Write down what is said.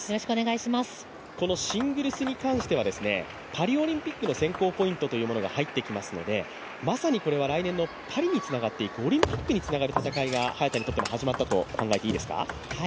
このシングルスに関してはパリオリンピックの選考ポイントというところが入ってきますのでまさにこれは来年のパリにつながっていくオリンピックにつながっていく戦いが早田にとっても始まったと考えていいですか？